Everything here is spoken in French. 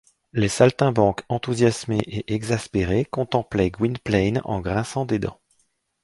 Les saltimbanques enthousiasmés et exaspérés contemplaient Gwynplaine en grinçant des dents.